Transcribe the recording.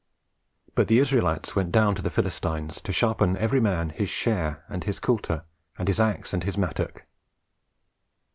But the Israelites went down to the Philistines, to sharpen every man his share, and his coulter, and his axe, and his mattock."